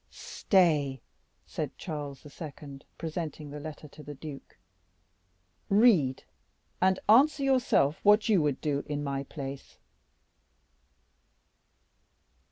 "Stay," said Charles II., presenting the letter to the duke, "read, and answer yourself what you would do in my place."